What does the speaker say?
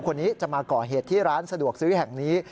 คนนี้จะมาก่อเหตุที่ร้านสะดวกซื้อแห่งนี้